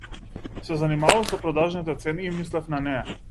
Се занимавав со продажните цени и мислев на неа.